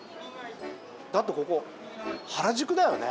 だってここ原宿だよね？